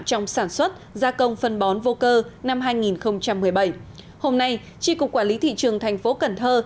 trong sản xuất gia công phân bón vô cơ năm hai nghìn một mươi bảy hôm nay tri cục quản lý thị trường thành phố cần thơ